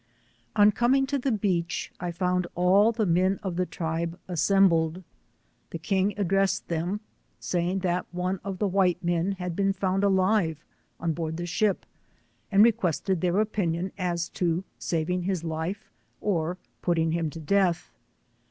On coming to the beach I found all the men of the tribe assembled. The king addressed them, saying that one of the white men had been found alive on board the ship, and requested their opinion as to saving his life or putting him to death.